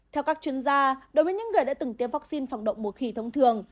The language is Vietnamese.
theo các chuyên gia đối với những người đã từng tiêm vaccine phòng đậu mùa khỉ thông thường